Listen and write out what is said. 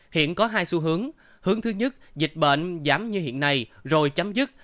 hiện có hai xu hướng hướng thứ nhất dịch bệnh giảm như hiện nay rồi chấm dứt